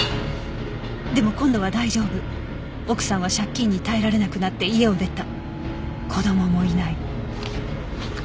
「でも今度は大丈夫」「奥さんは借金に耐えられなくなって家を出た」「子供もいない」